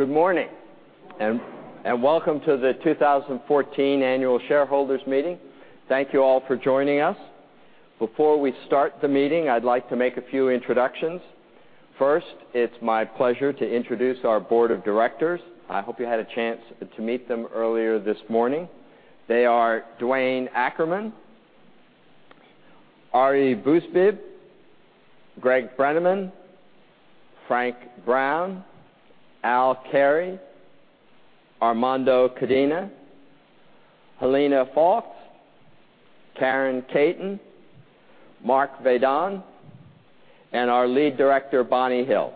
Good morning. Welcome to the 2014 Annual Shareholders Meeting. Thank you all for joining us. Before we start the meeting, I'd like to make a few introductions. First, it's my pleasure to introduce our board of directors. I hope you had a chance to meet them earlier this morning. They are Duane Ackerman, Ari Bousbib, Greg Brenneman, Frank Brown, Al Carey, Armando Codina, Helena Foulkes, Karen Katen, Mark Vadon, and our lead director, Bonnie Hill.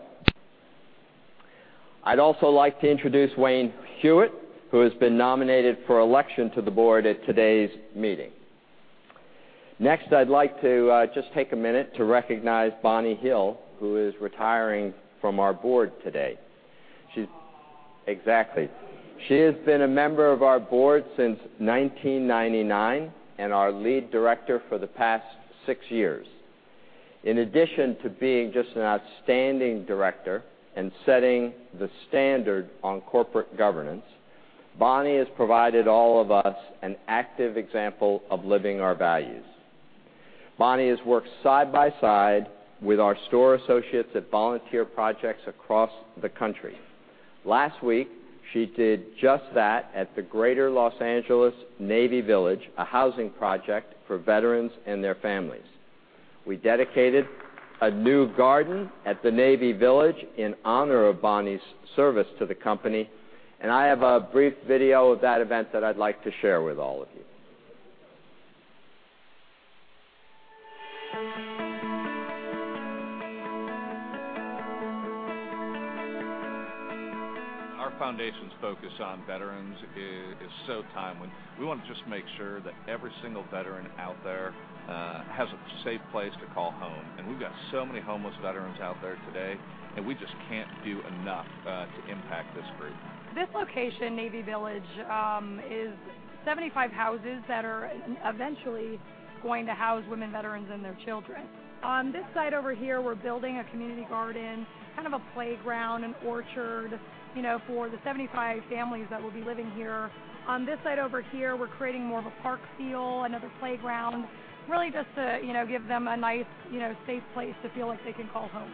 I'd also like to introduce Wayne Hewett, who has been nominated for election to the board at today's meeting. Next, I'd like to just take a minute to recognize Bonnie Hill, who is retiring from our board today. Aw. Exactly. She has been a member of our board since 1999 and our lead director for the past 6 years. In addition to being just an outstanding director and setting the standard on corporate governance, Bonnie has provided all of us an active example of living our values. Bonnie has worked side by side with our store associates at volunteer projects across the country. Last week, she did just that at the Greater L.A. Navy Village, a housing project for veterans and their families. We dedicated a new garden at the Navy Village in honor of Bonnie's service to the company, and I have a brief video of that event that I'd like to share with all of you. Our foundation's focus on veterans is so timely. We want to just make sure that every single veteran out there has a safe place to call home, and we've got so many homeless veterans out there today, and we just can't do enough to impact this group. This location, Navy Village, is 75 houses that are eventually going to house women veterans and their children. On this side over here, we're building a community garden, kind of a playground and orchard for the 75 families that will be living here. On this side over here, we're creating more of a park feel, another playground, really just to give them a nice, safe place to feel like they can call home.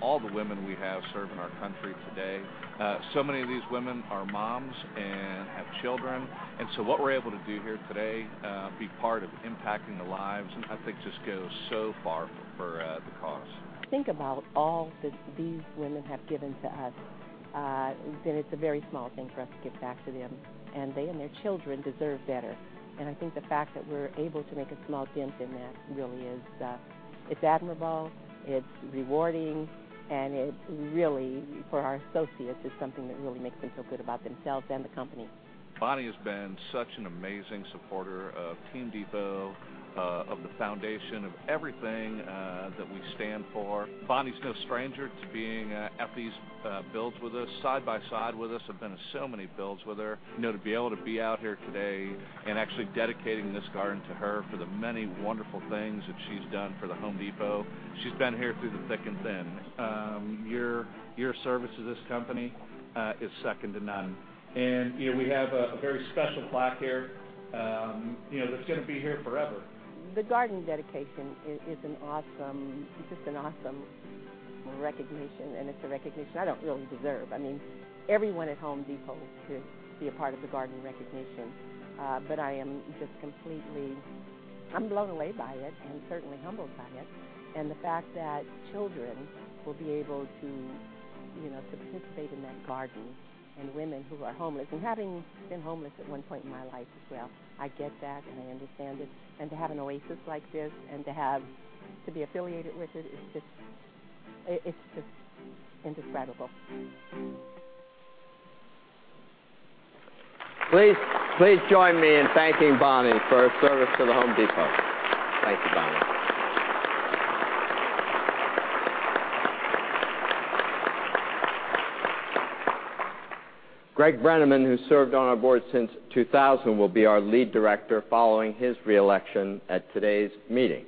All the women we have serving our country today, so many of these women are moms and have children. What we're able to do here today, be part of impacting the lives, and I think just goes so far for the cause. Think about all that these women have given to us, it's a very small thing for us to give back to them. They and their children deserve better. I think the fact that we're able to make a small dent in that really is admirable, it's rewarding, and it really, for our associates, is something that really makes them feel good about themselves and the company. Bonnie has been such an amazing supporter of Team Depot, of the foundation, of everything that we stand for. Bonnie's no stranger to being at these builds with us, side by side with us. I've been to so many builds with her. To be able to be out here today and actually dedicating this garden to her for the many wonderful things that she's done for The Home Depot. She's been here through the thick and thin. Your service to this company is second to none. We have a very special plaque here that's going to be here forever. The garden dedication is an awesome recognition, and it's a recognition I don't really deserve. Everyone at The Home Depot could be a part of the garden recognition. I am just completely blown away by it and certainly humbled by it. The fact that children will be able to participate in that garden and women who are homeless. Having been homeless at one point in my life as well, I get that, and I understand it. To have an oasis like this and to be affiliated with it's just indescribable. Please join me in thanking Bonnie for her service to The Home Depot. Thank you, Bonnie. Greg Brenneman, who served on our board since 2000, will be our lead director following his re-election at today's meeting.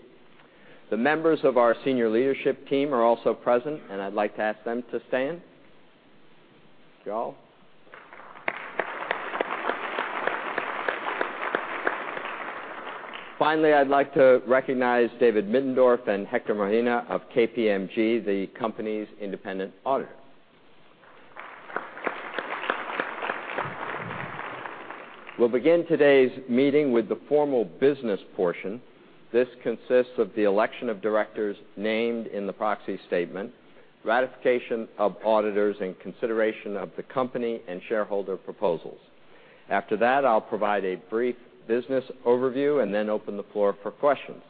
The members of our senior leadership team are also present. I'd like to ask them to stand. Thank you all. Finally, I'd like to recognize David Middendorf and Hector Marina of KPMG, the company's independent auditor. We will begin today's meeting with the formal business portion. This consists of the election of directors named in the proxy statement, ratification of auditors, and consideration of the company and shareholder proposals. After that, I will provide a brief business overview and then open the floor for questions.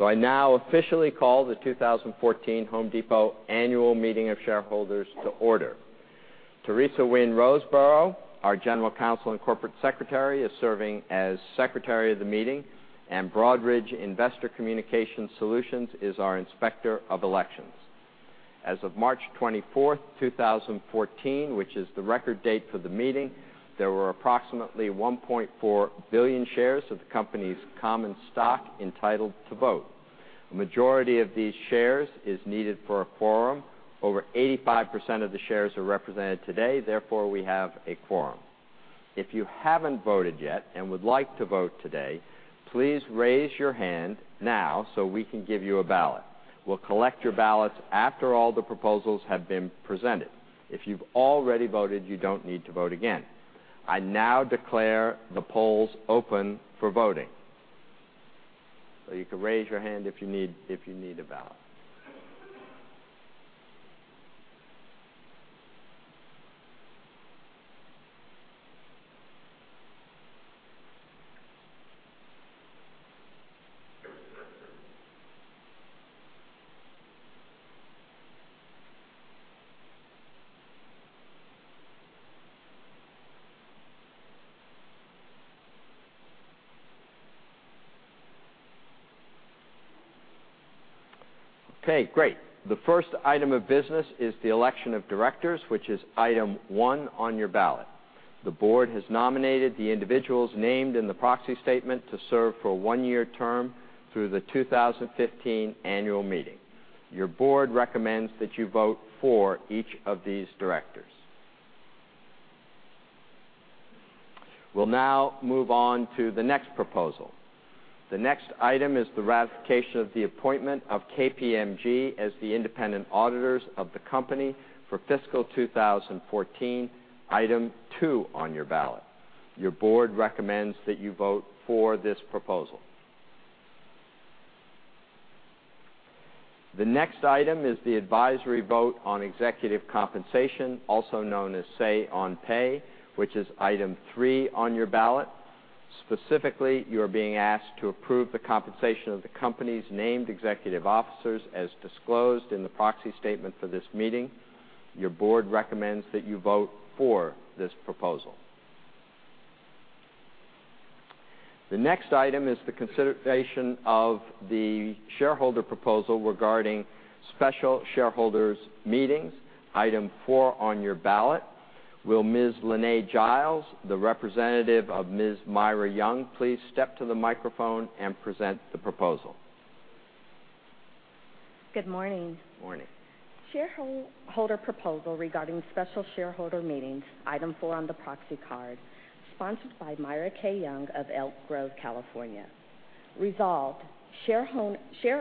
I now officially call the 2014 The Home Depot Annual Meeting of Shareholders to order. Teresa Wynn Roseborough, our general counsel and corporate secretary, is serving as secretary of the meeting, and Broadridge Investor Communication Solutions is our inspector of elections. As of March 24, 2014, which is the record date for the meeting, there were approximately 1.4 billion shares of the company's common stock entitled to vote. A majority of these shares is needed for a quorum. Over 85% of the shares are represented today. Therefore, we have a quorum. If you haven't voted yet and would like to vote today, please raise your hand now so we can give you a ballot. We'll collect your ballots after all the proposals have been presented. If you've already voted, you don't need to vote again. I now declare the polls open for voting. You can raise your hand if you need a ballot. Okay, great. The first item of business is the election of directors, which is item 1 on your ballot. The board has nominated the individuals named in the proxy statement to serve for a one-year term through the 2015 annual meeting. Your board recommends that you vote for each of these directors. We'll now move on to the next proposal. The next item is the ratification of the appointment of KPMG as the independent auditors of the company for fiscal 2014, item 2 on your ballot. Your board recommends that you vote for this proposal. The next item is the advisory vote on executive compensation, also known as Say on Pay, which is item 3 on your ballot. Specifically, you are being asked to approve the compensation of the company's named executive officers as disclosed in the proxy statement for this meeting. Your board recommends that you vote for this proposal. The next item is the consideration of the shareholder proposal regarding special shareholders meetings, item 4 on your ballot. Will Ms. Lanae Giles, the representative of Ms. Myra Young, please step to the microphone and present the proposal? Good morning. Morning. Shareholder proposal regarding special shareholder meetings, item four on the proxy card, sponsored by Myra K. Young of Elk Grove, California. Resolved: Share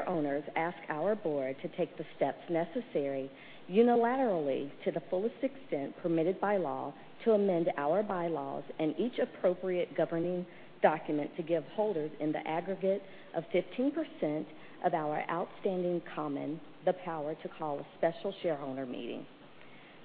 owners ask our board to take the steps necessary unilaterally to the fullest extent permitted by law to amend our bylaws and each appropriate governing document to give holders in the aggregate of 15% of our outstanding common the power to call a special shareholder meeting.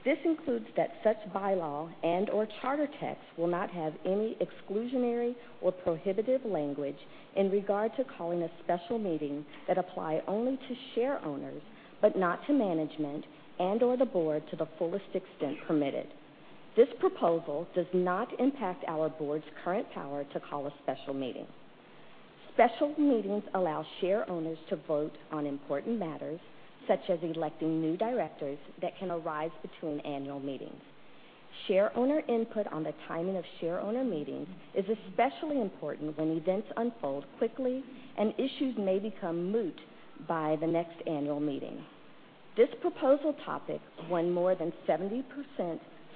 This includes that such bylaw and/or charter text will not have any exclusionary or prohibitive language in regard to calling a special meeting that apply only to share owners, but not to management and/or the board to the fullest extent permitted. This proposal does not impact our board's current power to call a special meeting. Special meetings allow share owners to vote on important matters, such as electing new directors that can arise between annual meetings. Share owner input on the timing of share owner meetings is especially important when events unfold quickly and issues may become moot by the next annual meeting. This proposal topic won more than 70%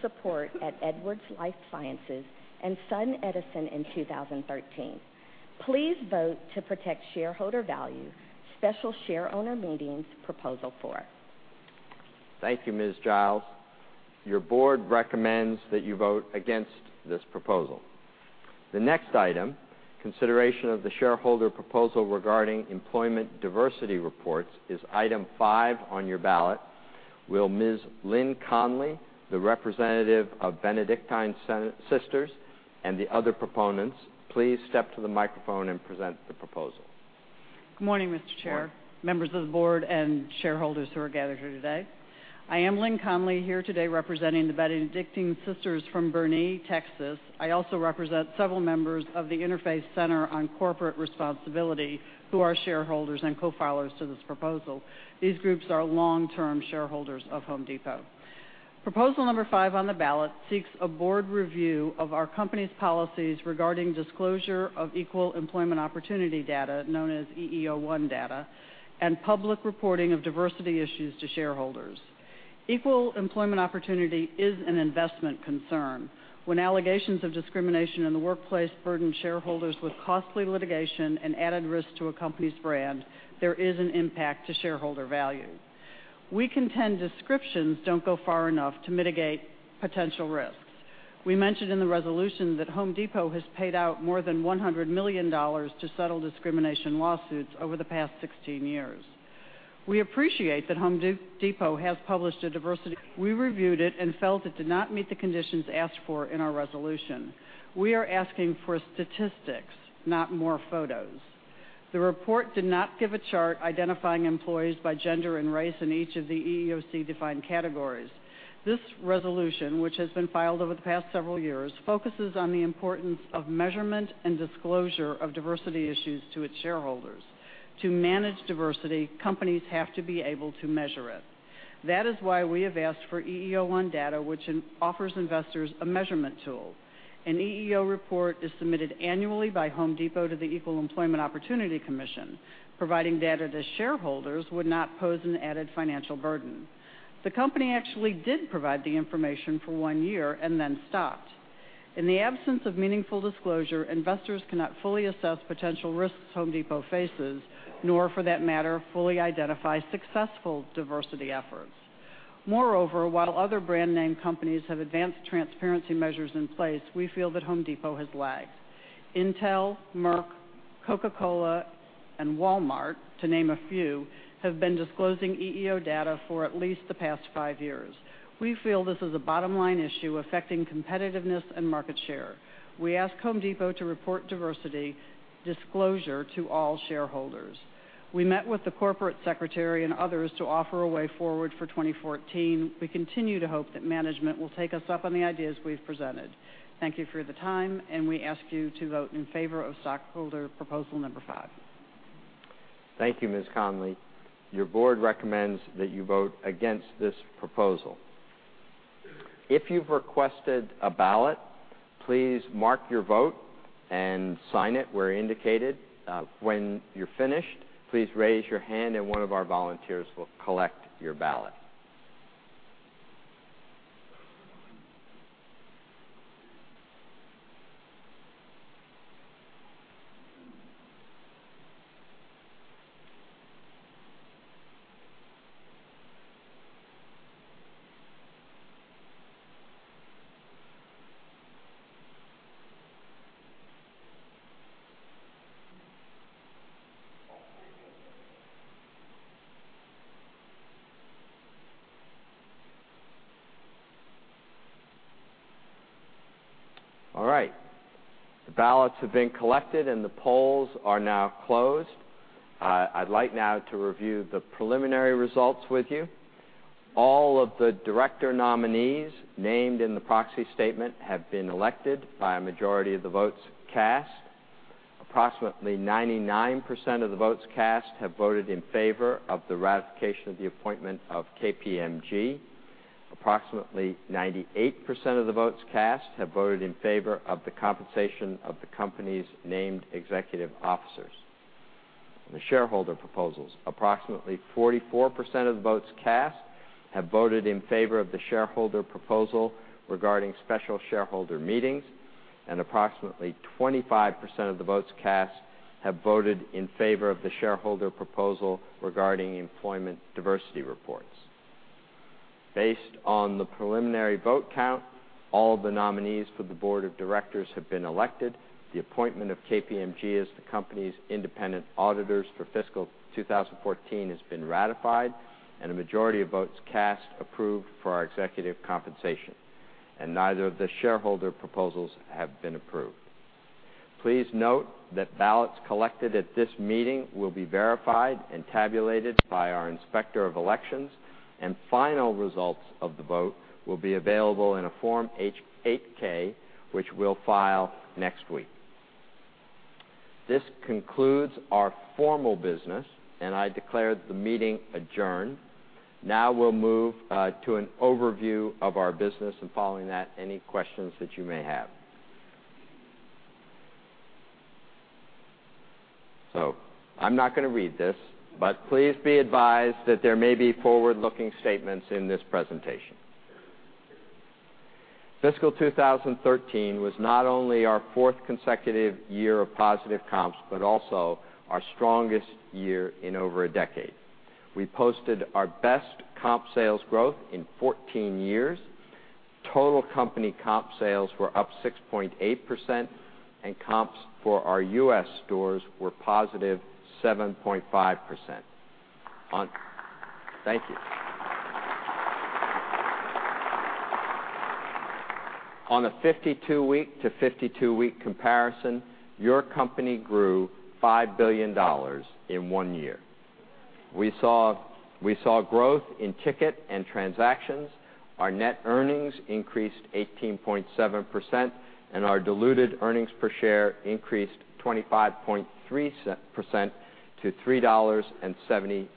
support at Edwards Lifesciences and SunEdison in 2013. Please vote to protect shareholder value, special share owner meetings proposal four. Thank you, Ms. Giles. Your board recommends that you vote against this proposal. The next item, consideration of the shareholder proposal regarding employment diversity reports is item five on your ballot. Will Ms. Lyn Conley, the representative of Benedictine Sisters and the other proponents, please step to the microphone and present the proposal? Good morning, Mr. Chair. Morning. Members of the board and shareholders who are gathered here today. I am Lyn Conley, here today representing the Benedictine Sisters from Boerne, Texas. I also represent several members of the Interfaith Center on Corporate Responsibility, who are shareholders and co-filers to this proposal. These groups are long-term shareholders of The Home Depot. Proposal number five on the ballot seeks a board review of our company's policies regarding disclosure of equal employment opportunity data, known as EEO-1 data, and public reporting of diversity issues to shareholders. Equal employment opportunity is an investment concern. When allegations of discrimination in the workplace burden shareholders with costly litigation and added risk to a company's brand, there is an impact to shareholder value. We contend descriptions don't go far enough to mitigate potential risks. We mentioned in the resolution that The Home Depot has paid out more than $100 million to settle discrimination lawsuits over the past 16 years. We appreciate that The Home Depot has published a diversity We reviewed it and felt it did not meet the conditions asked for in our resolution. We are asking for statistics, not more photos. The report did not give a chart identifying employees by gender and race in each of the EEOC-defined categories. This resolution, which has been filed over the past several years, focuses on the importance of measurement and disclosure of diversity issues to its shareholders. To manage diversity, companies have to be able to measure it. That is why we have asked for EEO-1 data, which offers investors a measurement tool. An EEO report is submitted annually by The Home Depot to the Equal Employment Opportunity Commission. Providing data to shareholders would not pose an added financial burden. The company actually did provide the information for one year and then stopped. In the absence of meaningful disclosure, investors cannot fully assess potential risks The Home Depot faces, nor for that matter, fully identify successful diversity efforts. Moreover, while other brand name companies have advanced transparency measures in place, we feel that The Home Depot has lagged. Intel, Merck, Coca-Cola, and Walmart, to name a few, have been disclosing EEO data for at least the past five years. We feel this is a bottom-line issue affecting competitiveness and market share. We ask The Home Depot to report diversity disclosure to all shareholders. We met with the Corporate Secretary and others to offer a way forward for 2014. We continue to hope that management will take us up on the ideas we've presented. Thank you for the time. We ask you to vote in favor of stockholder proposal number 5. Thank you, Ms. Conley. Your board recommends that you vote against this proposal. If you've requested a ballot, please mark your vote and sign it where indicated. When you're finished, please raise your hand and one of our volunteers will collect your ballot. All right. The ballots have been collected, and the polls are now closed. I'd like now to review the preliminary results with you. All of the director nominees named in the proxy statement have been elected by a majority of the votes cast. Approximately 99% of the votes cast have voted in favor of the ratification of the appointment of KPMG. Approximately 98% of the votes cast have voted in favor of the compensation of the company's named executive officers. On the shareholder proposals, approximately 44% of the votes cast have voted in favor of the shareholder proposal regarding special shareholder meetings, and approximately 25% of the votes cast have voted in favor of the shareholder proposal regarding employment diversity reports. Based on the preliminary vote count, all the nominees for the board of directors have been elected, the appointment of KPMG as the company's independent auditors for fiscal 2014 has been ratified, and a majority of votes cast approved for our executive compensation, and neither of the shareholder proposals have been approved. Please note that ballots collected at this meeting will be verified and tabulated by our Inspector of Elections, and final results of the vote will be available in a Form 8-K, which we'll file next week. This concludes our formal business, and I declare the meeting adjourned. Now we'll move to an overview of our business, and following that, any questions that you may have. I'm not going to read this, but please be advised that there may be forward-looking statements in this presentation. Fiscal 2013 was not only our fourth consecutive year of positive comps but also our strongest year in over a decade. We posted our best comp sales growth in 14 years. Total company comp sales were up 6.8%, and comps for our U.S. stores were positive 7.5%. Thank you. On a 52-week to 52-week comparison, your company grew $5 billion in one year. We saw growth in ticket and transactions. Our net earnings increased 18.7%, and our diluted earnings per share increased 25.3% to $3.76.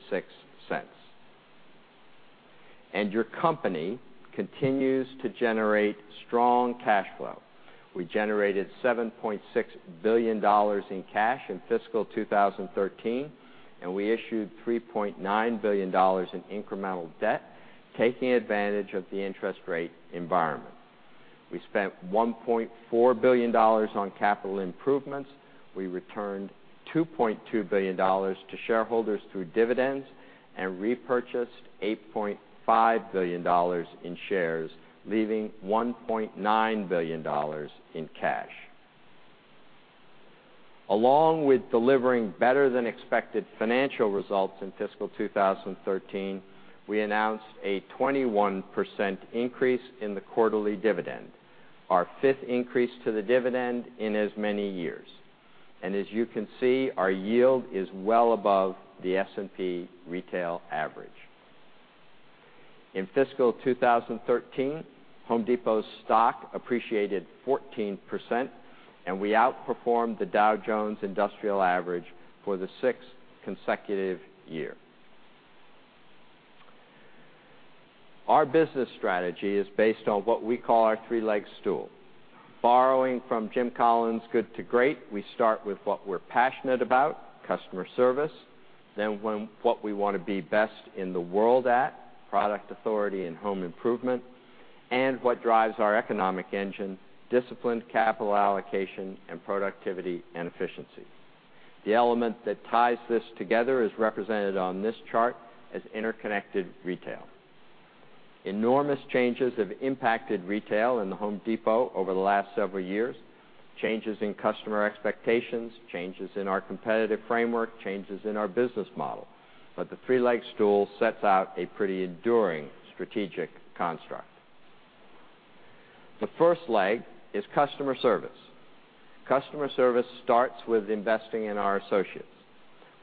Your company continues to generate strong cash flow. We generated $7.6 billion in cash in fiscal 2013. We issued $3.9 billion in incremental debt, taking advantage of the interest rate environment. We spent $1.4 billion on capital improvements. We returned $2.2 billion to shareholders through dividends and repurchased $8.5 billion in shares, leaving $1.9 billion in cash. Along with delivering better than expected financial results in fiscal 2013, we announced a 21% increase in the quarterly dividend, our fifth increase to the dividend in as many years. As you can see, our yield is well above the S&P retail average. In fiscal 2013, Home Depot's stock appreciated 14%, and we outperformed the Dow Jones Industrial Average for the sixth consecutive year. Our business strategy is based on what we call our three-leg stool. Borrowing from Jim Collins' "Good to Great," we start with what we're passionate about, customer service, then what we want to be best in the world at, product authority and home improvement, and what drives our economic engine, disciplined capital allocation, and productivity and efficiency. The element that ties this together is represented on this chart as interconnected retail. Enormous changes have impacted retail and The Home Depot over the last several years, changes in customer expectations, changes in our competitive framework, changes in our business model. The three-leg stool sets out a pretty enduring strategic construct. The first leg is customer service. Customer service starts with investing in our associates.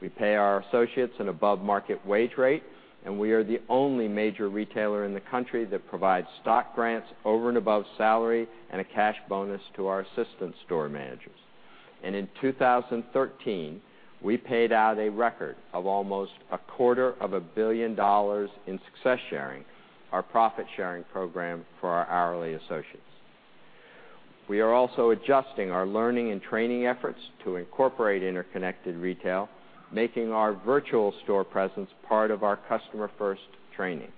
We pay our associates an above-market wage rate. We are the only major retailer in the country that provides stock grants over and above salary and a cash bonus to our assistant store managers. In 2013, we paid out a record of almost a quarter of a billion dollars in Success Sharing, our profit-sharing program for our hourly associates. We are also adjusting our learning and training efforts to incorporate interconnected retail, making our virtual store presence part of our customer-first training.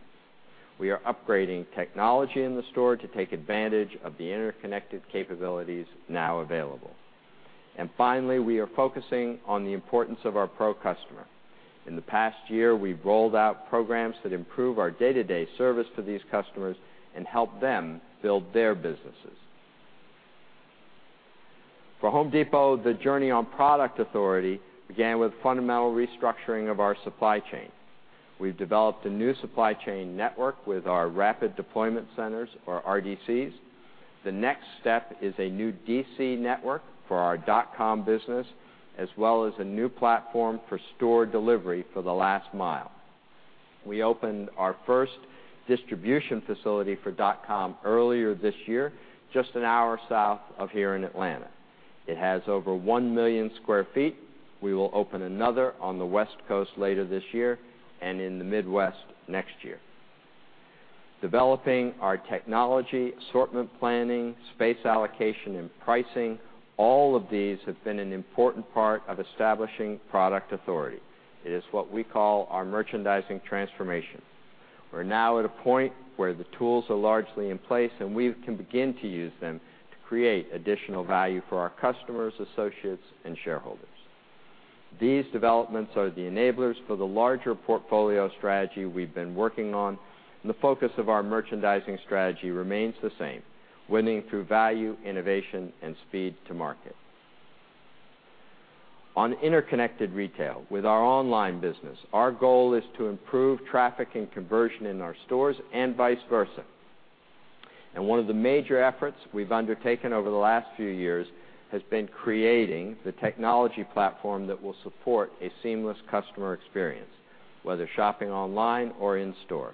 We are upgrading technology in the store to take advantage of the interconnected capabilities now available. Finally, we are focusing on the importance of our pro customer. In the past year, we've rolled out programs that improve our day-to-day service to these customers and help them build their businesses. For Home Depot, the journey on product authority began with fundamental restructuring of our supply chain. We've developed a new supply chain network with our rapid deployment centers or RDCs. The next step is a new DC network for our dot-com business, as well as a new platform for store delivery for the last mile. We opened our first distribution facility for dot-com earlier this year, just an hour south of here in Atlanta. It has over 1 million sq ft. We will open another on the West Coast later this year and in the Midwest next year. Developing our technology, assortment planning, space allocation, and pricing, all of these have been an important part of establishing product authority. It is what we call our merchandising transformation. We're now at a point where the tools are largely in place. We can begin to use them to create additional value for our customers, associates, and shareholders. These developments are the enablers for the larger portfolio strategy we've been working on. The focus of our merchandising strategy remains the same, winning through value, innovation, and speed to market. On interconnected retail with our online business, our goal is to improve traffic and conversion in our stores and vice versa. One of the major efforts we've undertaken over the last few years has been creating the technology platform that will support a seamless customer experience, whether shopping online or in-store.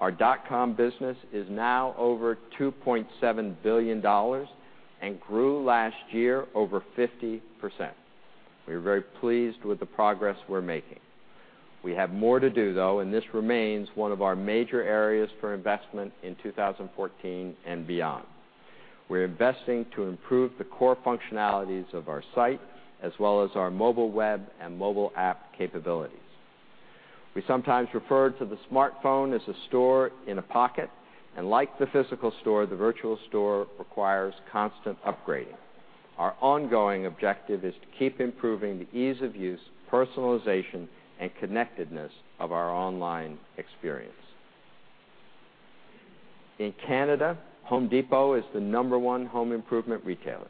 Our dot-com business is now over $2.7 billion and grew last year over 50%. We are very pleased with the progress we're making. We have more to do, though, and this remains one of our major areas for investment in 2014 and beyond. We're investing to improve the core functionalities of our site, as well as our mobile web and mobile app capabilities. We sometimes refer to the smartphone as a store in a pocket. Like the physical store, the virtual store requires constant upgrading. Our ongoing objective is to keep improving the ease of use, personalization, and connectedness of our online experience. In Canada, The Home Depot is the number 1 home improvement retailer.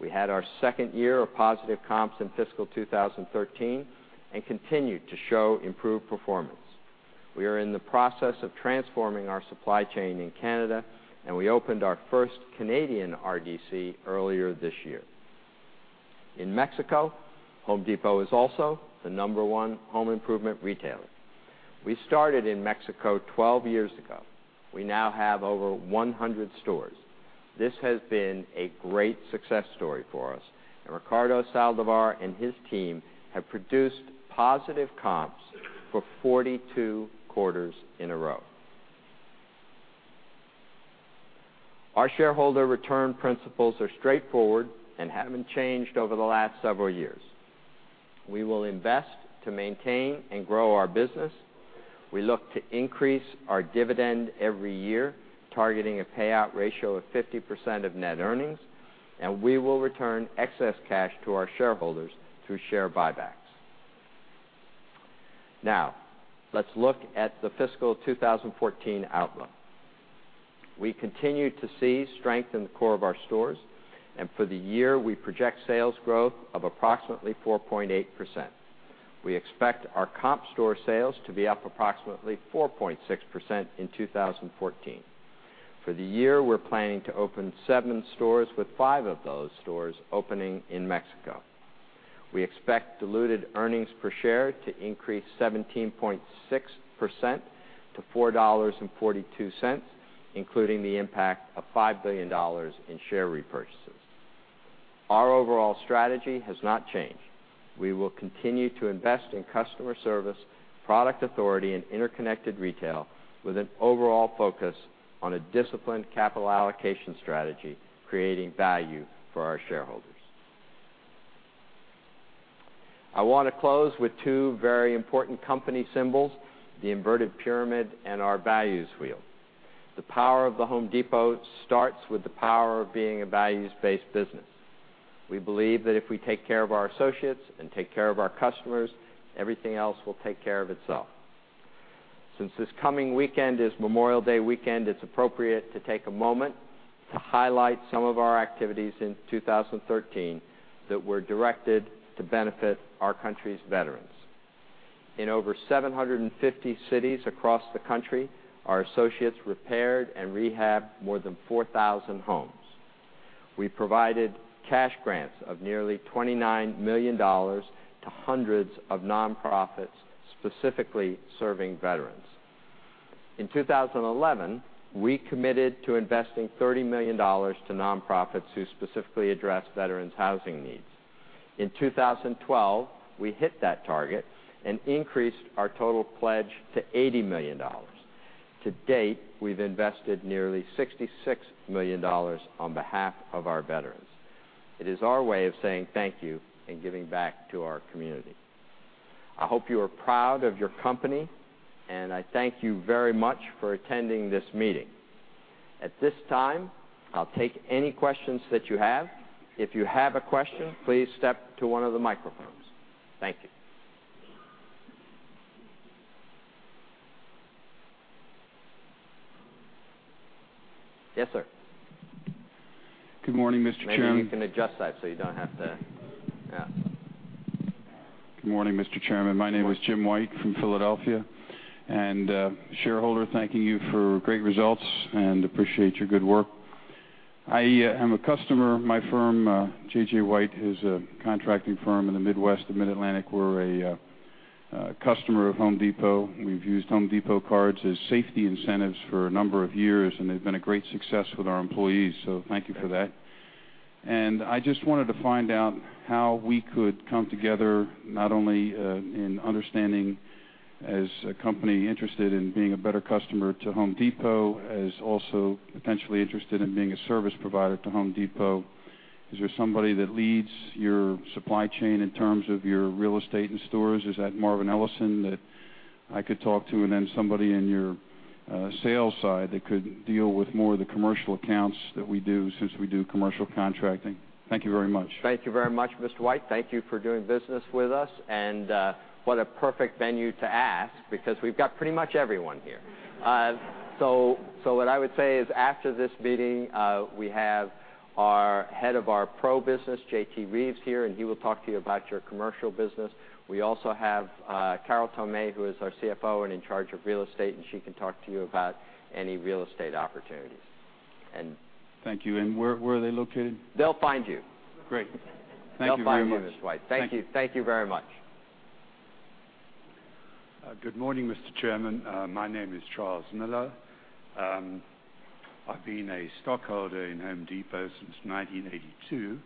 We had our second year of positive comps in fiscal 2013 and continue to show improved performance. We are in the process of transforming our supply chain in Canada, and we opened our first Canadian RDC earlier this year. In Mexico, The Home Depot is also the number 1 home improvement retailer. We started in Mexico 12 years ago. We now have over 100 stores. This has been a great success story for us, and Ricardo Saldivar and his team have produced positive comps for 42 quarters in a row. Our shareholder return principles are straightforward and haven't changed over the last several years. We will invest to maintain and grow our business. We look to increase our dividend every year, targeting a payout ratio of 50% of net earnings. We will return excess cash to our shareholders through share buybacks. Let's look at the fiscal 2014 outlook. We continue to see strength in the core of our stores. For the year, we project sales growth of approximately 4.8%. We expect our comp store sales to be up approximately 4.6% in 2014. For the year, we're planning to open seven stores, with five of those stores opening in Mexico. We expect diluted earnings per share to increase 17.6% to $4.42, including the impact of $5 billion in share repurchases. Our overall strategy has not changed. We will continue to invest in customer service, product authority, and interconnected retail with an overall focus on a disciplined capital allocation strategy, creating value for our shareholders. I want to close with two very important company symbols, the inverted pyramid and our values wheel. The power of The Home Depot starts with the power of being a values-based business. We believe that if we take care of our associates and take care of our customers, everything else will take care of itself. Since this coming weekend is Memorial Day weekend, it's appropriate to take a moment to highlight some of our activities in 2013 that were directed to benefit our country's veterans. In over 750 cities across the country, our associates repaired and rehabbed more than 4,000 homes. We provided cash grants of nearly $29 million to hundreds of nonprofits, specifically serving veterans. In 2011, we committed to investing $30 million to nonprofits who specifically address veterans' housing needs. In 2012, we hit that target and increased our total pledge to $80 million. To date, we've invested nearly $66 million on behalf of our veterans. It is our way of saying thank you and giving back to our community. I hope you are proud of your company, I thank you very much for attending this meeting. At this time, I'll take any questions that you have. If you have a question, please step to one of the microphones. Thank you. Yes, sir. Good morning, Mr. Chairman. Maybe you can adjust that so you don't have to Yeah. Good morning, Mr. Chairman. My name is Jim White from Philadelphia, a shareholder thanking you for great results and appreciate your good work. I am a customer. My firm, J.J. White, is a contracting firm in the Midwest and Mid-Atlantic. We're a customer of The Home Depot. We've used The Home Depot cards as safety incentives for a number of years, and they've been a great success with our employees, so thank you for that. I just wanted to find out how we could come together not only in understanding as a company interested in being a better customer to The Home Depot, as also potentially interested in being a service provider to The Home Depot. Is there somebody that leads your supply chain in terms of your real estate and stores? Is that Marvin Ellison that I could talk to, then somebody in your sales side that could deal with more of the commercial accounts that we do since we do commercial contracting? Thank you very much. Thank you very much, Mr. White. Thank you for doing business with us. What a perfect venue to ask because we've got pretty much everyone here. What I would say is after this meeting, we have our head of our pro business, J.T. Rieves, here, and he will talk to you about your commercial business. We also have Carol Tomé, who is our CFO and in charge of real estate, and she can talk to you about any real estate opportunities and Thank you. Where are they located? They'll find you. Great. Thank you very much. They'll find you, Mr. White. Thank you. Thank you very much. Good morning, Mr. Chairman. My name is Charles Miller. I've been a stockholder in The Home Depot since 1982.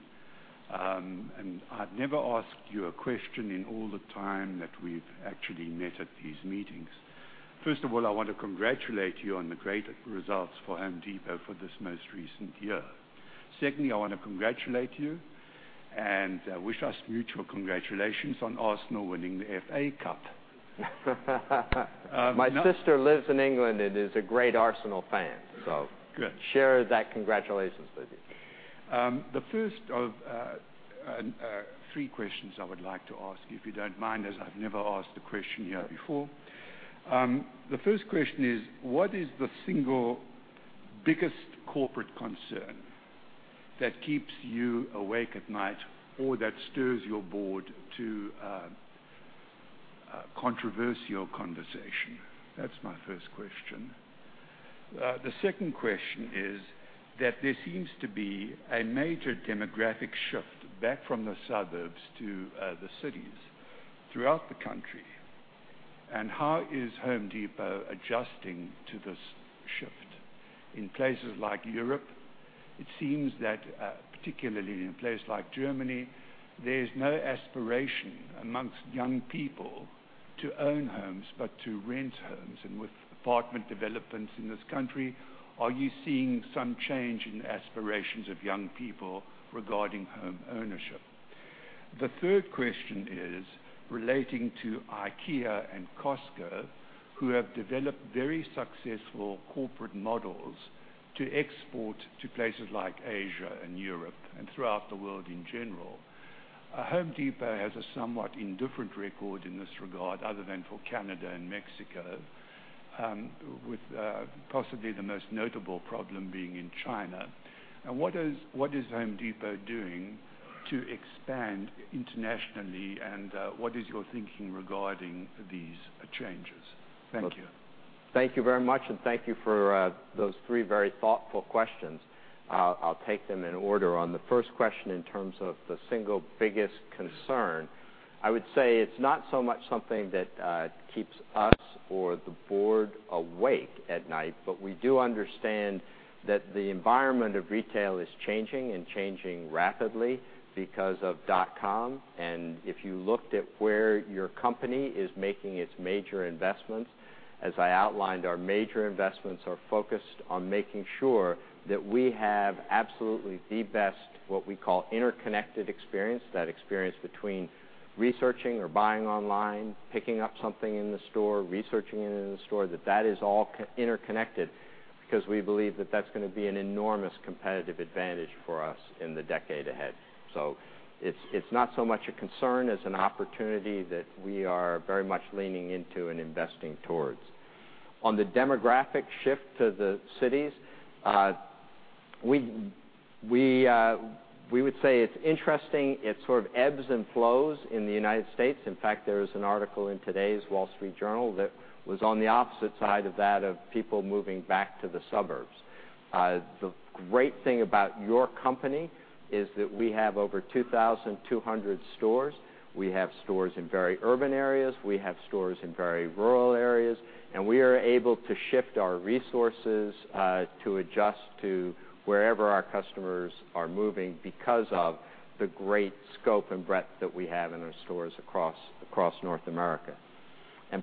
I've never asked you a question in all the time that we've actually met at these meetings. First of all, I want to congratulate you on the great results for The Home Depot for this most recent year. Secondly, I want to congratulate you and wish us mutual congratulations on Arsenal winning the FA Cup. My sister lives in England and is a great Arsenal fan. Good share that congratulations with you. The first of three questions I would like to ask, if you don't mind, as I've never asked a question here before. The first question is: what is the single biggest corporate concern that keeps you awake at night, or that stirs your board to controversial conversation? That's my first question. The second question is that there seems to be a major demographic shift back from the suburbs to the cities throughout the country, and how is Home Depot adjusting to this shift? In places like Europe, it seems that, particularly in places like Germany, there's no aspiration amongst young people to own homes, but to rent homes. With apartment developments in this country, are you seeing some change in the aspirations of young people regarding home ownership? The third question is relating to IKEA and Costco, who have developed very successful corporate models to export to places like Asia and Europe and throughout the world in general. Home Depot has a somewhat indifferent record in this regard, other than for Canada and Mexico, with possibly the most notable problem being in China. What is Home Depot doing to expand internationally, and what is your thinking regarding these changes? Thank you. Thank you very much, and thank you for those three very thoughtful questions. I'll take them in order. On the first question, in terms of the single biggest concern, I would say it's not so much something that keeps us or the board awake at night, but we do understand that the environment of retail is changing and changing rapidly because of dot-com. If you looked at where your company is making its major investments, as I outlined, our major investments are focused on making sure that we have absolutely the best, what we call interconnected experience. That experience between researching or buying online, picking up something in the store, researching it in the store, that is all interconnected because we believe that that's going to be an enormous competitive advantage for us in the decade ahead. It's not so much a concern as an opportunity that we are very much leaning into and investing towards. On the demographic shift to the cities, we would say it's interesting. It sort of ebbs and flows in the U.S. In fact, there is an article in today's The Wall Street Journal that was on the opposite side of that of people moving back to the suburbs. The great thing about your company is that we have over 2,200 stores. We have stores in very urban areas. We have stores in very rural areas. We are able to shift our resources to adjust to wherever our customers are moving because of the great scope and breadth that we have in our stores across North America.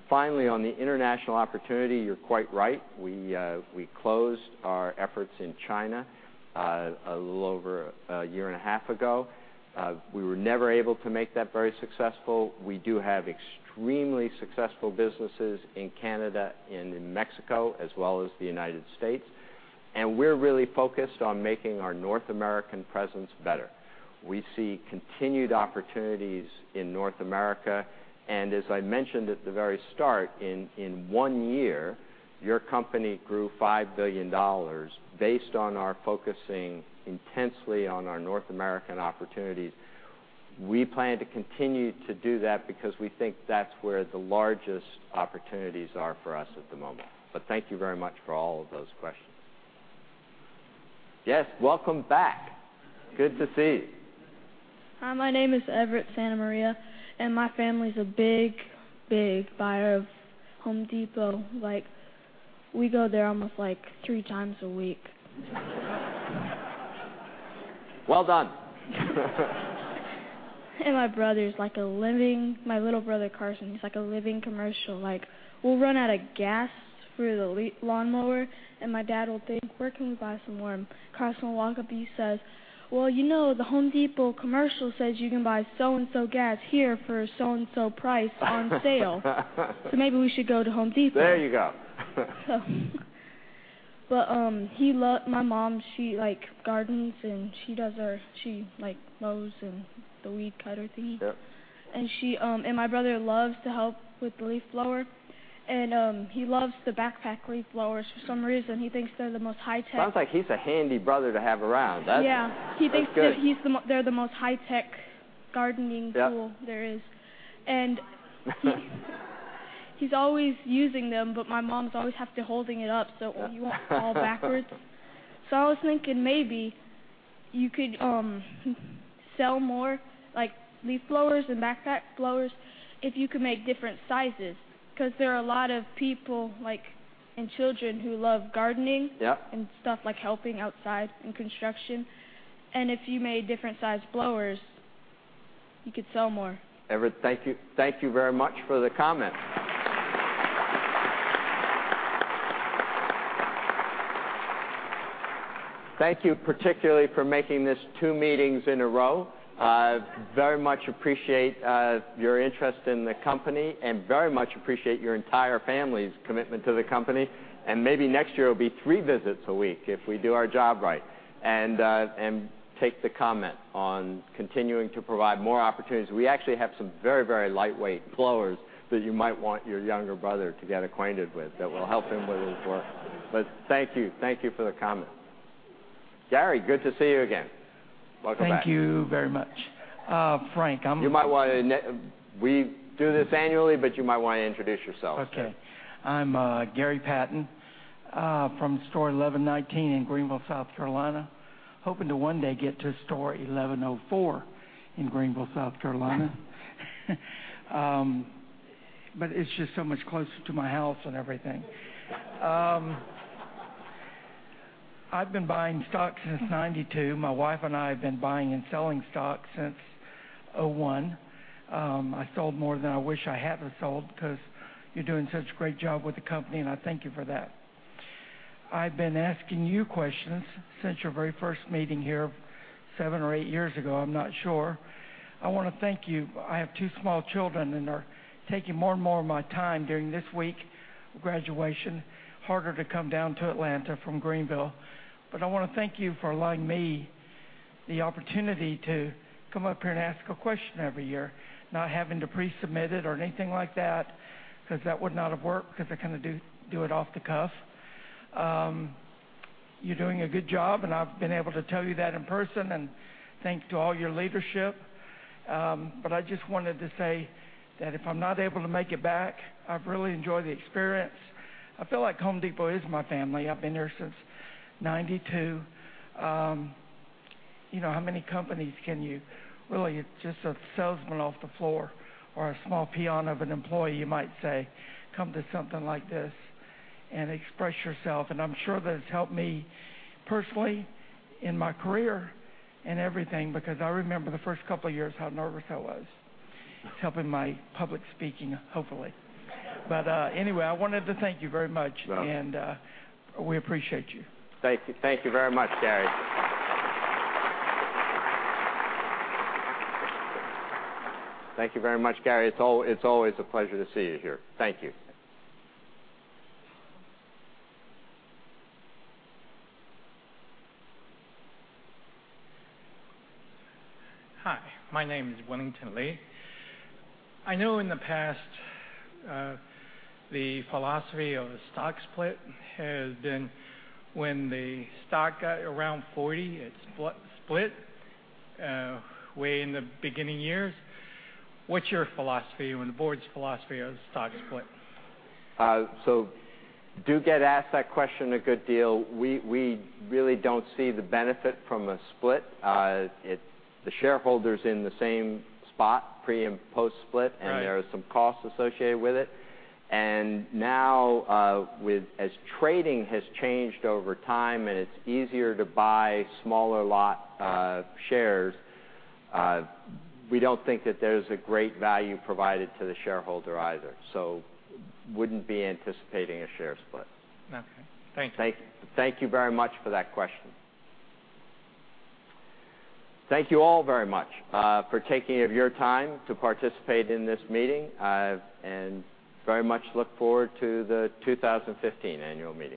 Finally, on the international opportunity, you're quite right. We closed our efforts in China a little over a year and a half ago. We were never able to make that very successful. We do have extremely successful businesses in Canada and in Mexico, as well as the U.S., and we're really focused on making our North American presence better. We see continued opportunities in North America. As I mentioned at the very start, in one year, your company grew $5 billion based on our focusing intensely on our North American opportunities. We plan to continue to do that because we think that's where the largest opportunities are for us at the moment. Thank you very much for all of those questions. Yes, welcome back. Good to see you. Hi, my name is Everett Santa Maria, and my family's a big, big buyer of The Home Depot. We go there almost three times a week. Well done. My little brother, Carson, he's like a living commercial. We'll run out of gas for the lawnmower, my dad will think, "Where can we buy some more?" Carson will walk up, he says, "Well, you know, The Home Depot commercial says you can buy so and so gas here for so and so price on sale." "Maybe we should go to The Home Depot. There you go. My mom, she gardens, she mows the weed cutter thingy. Yep. My brother loves to help with the leaf blower, he loves the backpack leaf blowers for some reason. He thinks they're the most high tech. Sounds like he's a handy brother to have around, doesn't it? Yeah. That's good. They're the most high tech gardening tool. Yep there is. He's always using them, my mom's always has to hold it up, he won't fall backwards. I was thinking maybe you could sell more leaf blowers and backpack blowers if you could make different sizes, because there are a lot of people and children who love gardening- Yep and stuff like helping outside and construction. If you made different size blowers, you could sell more. Everett, thank you very much for the comment. Thank you particularly for making this two meetings in a row. I very much appreciate your interest in the company and very much appreciate your entire family's commitment to the company. Maybe next year it'll be three visits a week if we do our job right. Take the comment on continuing to provide more opportunities. We actually have some very lightweight blowers that you might want your younger brother to get acquainted with that will help him with his work. Thank you. Thank you for the comment. Gary, good to see you again. Welcome back. Thank you very much. Frank. You might want to introduce yourself. Okay. I'm Gary Patton from store 1119 in Greenville, South Carolina. Hoping to one day get to store 1104 in Greenville, South Carolina. It's just so much closer to my house and everything. I've been buying stock since 1992. My wife and I have been buying and selling stock since 2001. I sold more than I wish I hadn't sold because you're doing such a great job with the company, I thank you for that. I've been asking you questions since your very first meeting here seven or eight years ago. I'm not sure. I want to thank you. I have two small children, they're taking more and more of my time during this week of graduation, harder to come down to Atlanta from Greenville. I want to thank you for allowing me the opportunity to come up here and ask a question every year, not having to pre-submit it or anything like that, because that would not have worked because I kind of do it off the cuff. You're doing a good job, I've been able to tell you that in person, thanks to all your leadership. I just wanted to say that if I'm not able to make it back, I've really enjoyed the experience. I feel like The Home Depot is my family. I've been here since 1992. How many companies can you really, you're just a salesman off the floor or a small peon of an employee, you might say, come to something like this and express yourself? I'm sure that it's helped me personally in my career and everything because I remember the first couple of years how nervous I was. It's helping my public speaking, hopefully. Anyway, I wanted to thank you very much. Well- We appreciate you. Thank you. Thank you very much, Gary. It's always a pleasure to see you here. Thank you. Hi, my name is Wellington Lee. I know in the past, the philosophy of a stock split has been when the stock got around 40, it split way in the beginning years. What's your philosophy and the board's philosophy on the stock split? Do get asked that question a good deal. We really don't see the benefit from a split. The shareholder's in the same spot pre- and post-split. Right There are some costs associated with it. Now, as trading has changed over time, and it's easier to buy smaller lot shares, we don't think that there's a great value provided to the shareholder either. Wouldn't be anticipating a share split. Okay. Thank you. Thank you very much for that question. Thank you all very much for taking of your time to participate in this meeting. I very much look forward to the 2015 annual meeting.